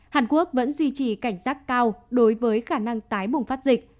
hàn quốc vẫn duy trì cảnh giác cao đối với khả năng tái bùng phát dịch